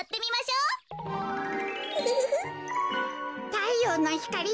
たいようのひかり